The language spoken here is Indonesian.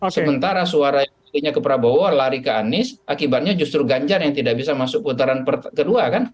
sementara suara yang dipilihnya ke prabowo lari ke anies akibatnya justru ganjar yang tidak bisa masuk putaran kedua kan